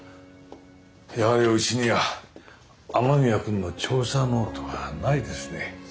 やはりうちには雨宮君の調査ノートはないですね。